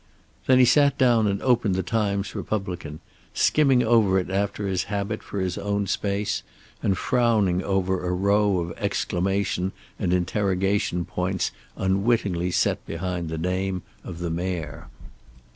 Then he sat down and opened the Times Republican, skimming over it after his habit for his own space, and frowning over a row of exclamation and interrogation points unwittingly set behind the name of the mayor.